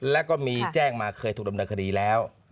แล้วก็มีแจ้งมาเคยถูกดำเนินคดีแล้ว